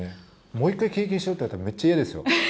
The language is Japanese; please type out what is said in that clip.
もう１回経験しろって言われたらめっちゃ嫌ですよ。